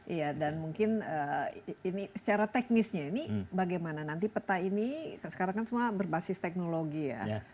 iya dan mungkin ini secara teknisnya ini bagaimana nanti peta ini sekarang kan semua berbasis teknologi ya